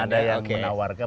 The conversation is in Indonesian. belum ada yang menawarkan